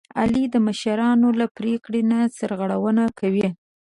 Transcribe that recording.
علي د مشرانو له پرېکړې نه سرغړونه کوي.